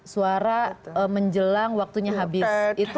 suara menjelang waktunya habis